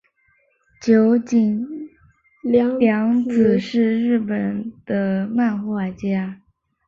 九井谅子是日本的漫画家。